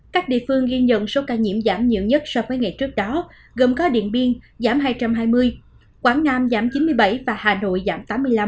các địa phương ghi nhận số ca nhiễm giảm nhiều nhất so với ngày trước đó gồm có điện biên giảm hai trăm hai mươi quảng nam giảm chín mươi bảy và hà nội giảm tám mươi năm